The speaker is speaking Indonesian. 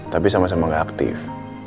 tapi sama sama gak aktif